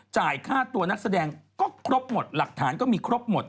จ่ายค่าตัวนักแสดงก็ครบหมดหลักฐานก็มีครบหมด